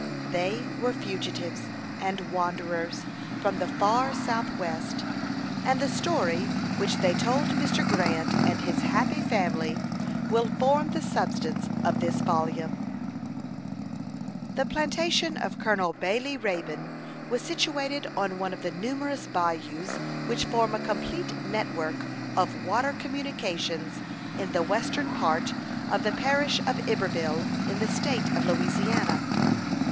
They were fugitives and wanderers from the far south west; and the story which they told to Mr. Grant and his happy family will form the substance of this volume. The plantation of Colonel Baylie Raybone was situated on one of the numerous bayous which form a complete network of water communications in the western part of the parish of Iberville, in the State of Louisiana.